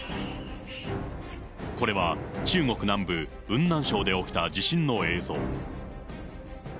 これは中国南部、雲南省で起きた地震の映像。